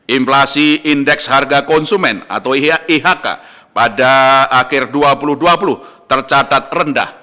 inflasi indeks harga konsumen atau ihk pada akhir dua ribu dua puluh tercatat rendah